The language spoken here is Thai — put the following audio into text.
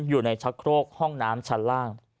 อยู่ในชักโครกห้องน้ำชั้นล่าง